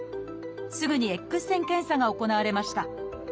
すぐにＸ線検査が行われました。